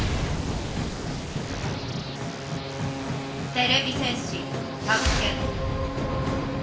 ⁉てれび戦士発見！